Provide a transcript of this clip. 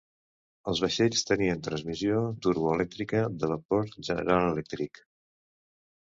Els vaixells tenien transmissió turbo-elèctrica de vapor General Electric.